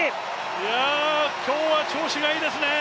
いや、今日は調子がいいですね。